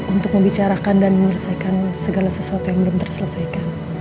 untuk membicarakan dan menyelesaikan segala sesuatu yang belum terselesaikan